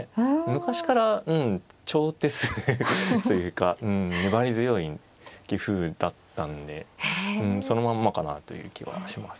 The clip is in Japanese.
昔から長手数というか粘り強い棋風だったんでそのまんまかなという気はします。